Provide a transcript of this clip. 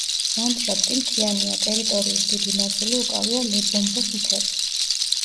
ლანდშაფტი მთიანია, ტერიტორიის დიდი ნაწილი უკავია ლებომბოს მთებს.